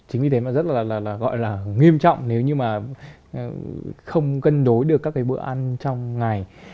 chính vì thế mà rất là gọi là nghiêm trọng nếu như mà không cân đối được các cái bữa ăn trong ngày